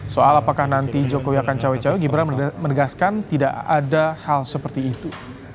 soal apakah nanti jokowi akan cawe cawe gibran menegaskan tidak ada hal seperti itu